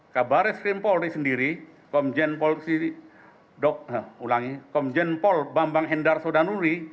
kabar skrim polri sendiri komjen pol bambang hendar sodanuli